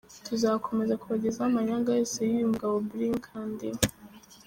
Tuzakomeza kubagezaho amanyanga yose y’uyu mugabo Brig.Kandiho.